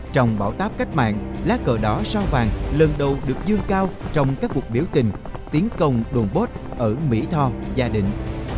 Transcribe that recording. trong bão táp cách mạng lá cờ đỏ sao vàng lần đầu được dương cao trong các cuộc biểu tình tiến công đồn bốt ở mỹ tho gia định